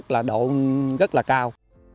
và độ rất là cao